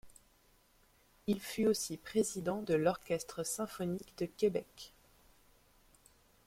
Il fut aussi président de l'Orchestre symphonique de Québec.